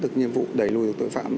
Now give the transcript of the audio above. để đẩy lùi tội phạm